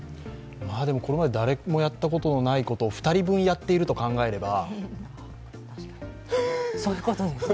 これまで誰もやったことのないことを２人分やっていると考えれば。